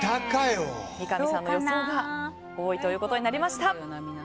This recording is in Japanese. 三上さんの予想が多いということになりました。